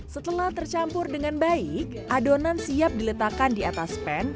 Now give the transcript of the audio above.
setelah tercampur dengan baik adonan siap diletakkan di atas pan